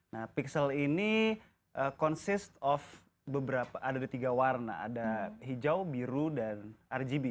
nah pixel ini consist of ada tiga warna ada hijau biru dan rgb